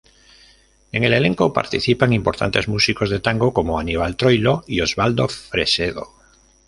En el elenco participan importantes músicos de tango, como Aníbal Troilo y Osvaldo Fresedo.